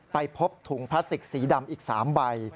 ไปพบถุงพลาสติกสีดำอีก๓ใบ